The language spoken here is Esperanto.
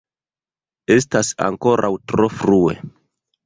Estas ankoraŭ tro frue.